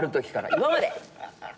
今まで。